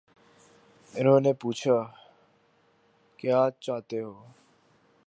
انہوں نے پوچھا: کیا چاہتے ہو؟